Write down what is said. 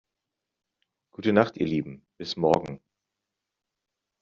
Gute Nacht ihr Lieben, bis morgen.